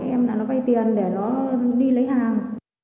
em đã nói vay tiền để nó đi lấy hàng